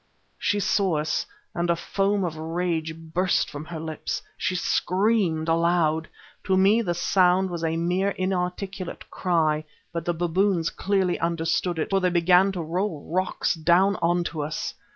She saw us, and a foam of rage burst from her lips. She screamed aloud. To me the sound was a mere inarticulate cry, but the baboons clearly understood it, for they began to roll rocks down on to us.